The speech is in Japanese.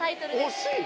惜しい？